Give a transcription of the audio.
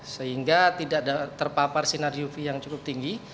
sehingga tidak terpapar sinar uv yang cukup tinggi